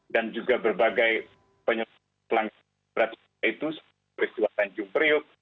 dan juga berbagai penyelenggara berat seperti peristiwa tanjung priok